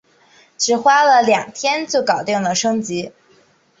只花了两天就搞定了升级